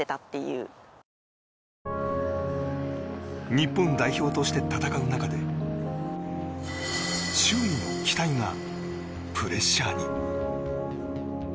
日本代表として戦う中で周囲の期待がプレッシャーに。